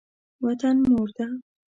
وطن مور ده.